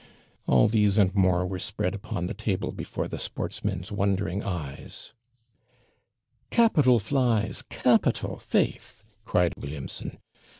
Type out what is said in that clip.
All these and more were spread upon the table before the sportsmen's wondering eyes. 'Capital flies! capital, faith!' cried Williamson.